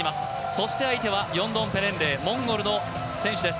そして相手はヨンドンペレンレイ、モンゴルの選手です。